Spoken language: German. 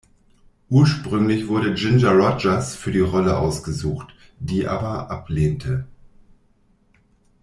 Ursprünglich wurde Ginger Rogers für die Rolle ausgesucht, die aber ablehnte.